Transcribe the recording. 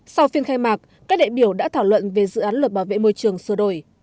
sau phiên khai mạc các đại biểu đã thảo luận về dự án luật bảo vệ môi trường sửa đổi